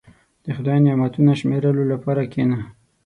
• د خدای نعمتونه شمیرلو لپاره کښېنه.